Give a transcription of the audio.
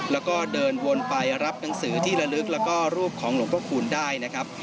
แล้วก็เดินวนไปรับหนังสือที่ระลึกแล้วก็รูปของหลวงพระคูณได้นะครับ